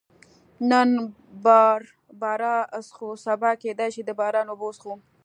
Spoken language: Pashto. نن باربرا څښو، سبا کېدای شي د باران اوبه وڅښو.